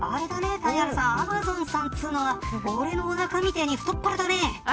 アマゾンさんっていうのは俺のおなかみたいに太っ腹だね。